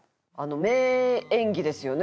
名演技ですよね